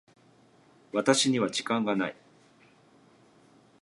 私には時間がない。